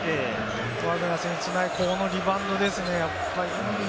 バグナー選手、このリバウンドですね。